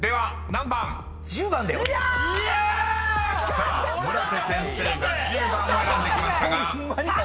［さあ村瀬先生が１０番を選んできましたが］